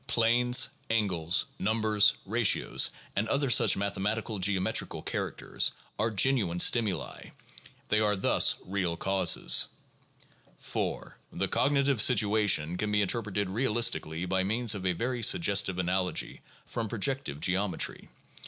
Planes, angles, numbers, ratios, and other such mathematical geometrical characters are genuine stimuli. They are thus real causes. 4. The cognitive situation can be interpreted realistically by means of a very suggestive analogy from projective geometry.